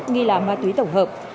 nghi là ma túy tổng hợp